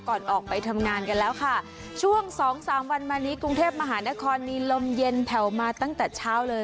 ก่อนออกไปทำงานกันแล้วค่ะช่วงสองสามวันมานี้กรุงเทพมหานครมีลมเย็นแผ่วมาตั้งแต่เช้าเลย